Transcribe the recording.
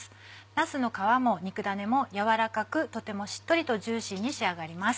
なすの皮も肉だねも軟らかくとてもしっとりとジューシーに仕上がります。